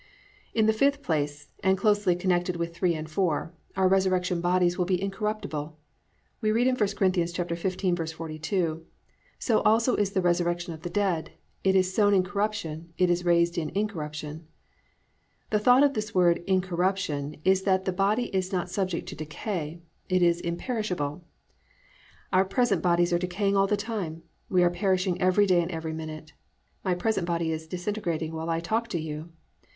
5. In the fifth place (and closely connected with 3 and 4), our resurrection bodies will be incorruptible. We read in I Cor. 15:42: +"So also is the resurrection of the dead. It is sown in corruption; it is raised in incorruption."+ The thought of this word "incorruption" is that the body is not subject to decay, it is imperishable. Our present bodies are decaying all the time. We are perishing every day and every minute. My present body is disintegrating while I talk to you.